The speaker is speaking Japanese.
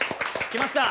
来ました！